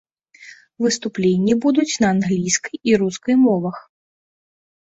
Выступленні будуць на англійскай і рускай мовах.